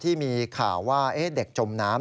ขณะที่เฟสบุ๊คของสวนน้ำยังไม่เสร็จนะครับ